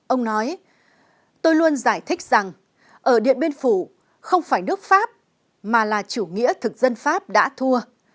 ông nói tôi luôn giải thích rằng ở điện biên phủ không phải nước pháp mà là chủ nghĩa thực dân pháp đã thua